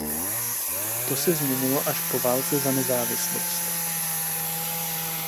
To se změnilo až po válce za nezávislost.